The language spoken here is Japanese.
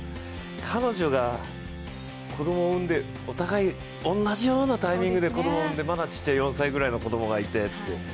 彼女がお互い同じようなタイミングで子供を産んでまだちっちゃい、４歳くらいの子供がいてって。